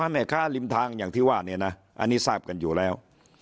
แม่ค้าริมทางอย่างที่ว่าเนี่ยนะอันนี้ทราบกันอยู่แล้ว